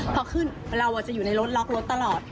พอขึ้นเราจะอยู่ในรถล็อกรถตลอด